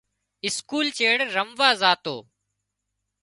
اسڪول چيڙ رموازاتو